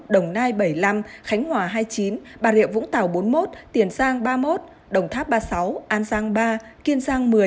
đồng nai bảy mươi năm khánh hòa hai mươi chín bà rịa vũng tàu bốn mươi một tiền giang ba mươi một đồng tháp ba mươi sáu an giang ba kiên giang một mươi